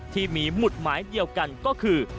ที่มีหมุดหมายเดียวกันก็คือ